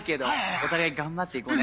お互い頑張っていこうね